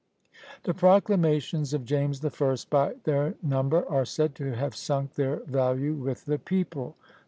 The proclamations of James the First, by their number, are said to have sunk their value with the people.